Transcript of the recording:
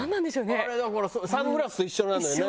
あれだからサングラスと一緒なのよね。